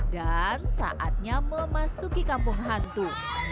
dan saatnya memasuki kampung hantu